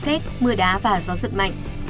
xét mưa đá và gió giật mạnh